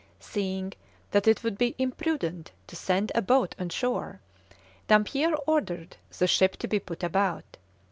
Seeing that it would be imprudent to send a boat on shore, Dampier ordered the ship to be put about.